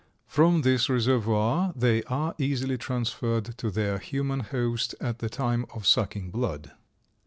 From this reservoir they are easily transferred to their human host at the time of sucking blood.